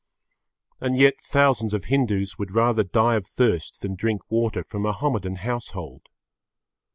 And yet thousands of Hindus would rather die of thirst than drink water from a Mahomedan household.